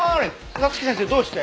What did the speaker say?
早月先生どうして？